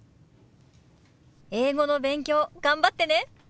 英語の勉強頑張ってね。